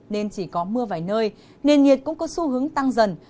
nên chỉ có mưa vài nơi nền nhiệt cũng có xu hướng tăng dần